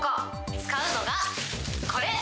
使うのが、これ。